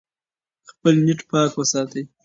خپل نیت پاک وساتئ.